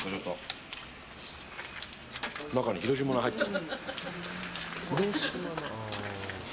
中に広島菜が入ってる。